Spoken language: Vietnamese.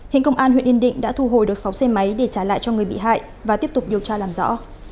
hiện công an huyện yên định đã thu hồi được sáu xe máy để trả lại cho người bị hại và tiếp tục điều tra làm rõ